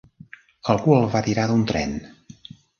Algú el va tirar d'un tren.